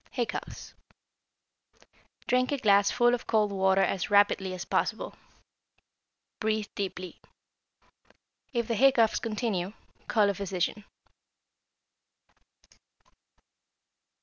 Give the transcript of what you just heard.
=Hiccoughs.= Drink a glass full of cold water as rapidly as possible. Breathe deeply. If the hiccoughs continue, call a physician.